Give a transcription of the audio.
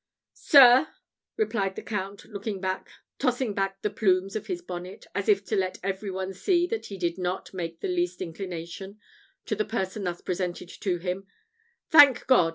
"Sir!" replied the Count, tossing back the plumes of his bonnet, as if to let every one see that he did not make the least inclination to the person thus presented to him; "thank God!